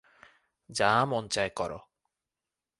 যা মন চায় করো।